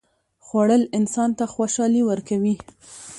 خوړل انسان ته خوشالي ورکوي